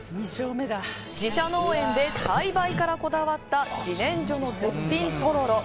自社農園で栽培からこだわった自然薯の絶品とろろ。